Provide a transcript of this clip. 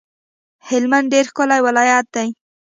هلمند ډیر ښکلی ولایت دی